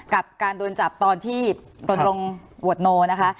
กับการโดนจับตอนที่รณรงค์หวดโนนะคะ